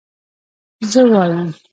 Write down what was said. زه وايم